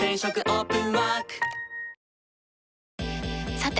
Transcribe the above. さて！